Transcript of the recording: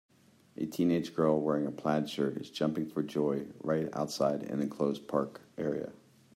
A teenage girl wearing a plaid shirt is jumping for joy right outside an enclosed park area.